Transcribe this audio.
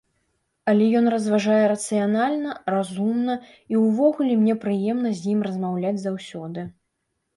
Але ён разважае рацыянальна, разумна і ўвогуле мне прыемна з ім размаўляць заўсёды.